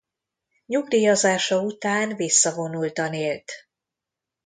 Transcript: Nyugdíjazása után visszavonultan élt.